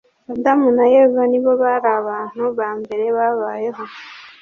Adam na Eva nibo bari abantu bambere babayeho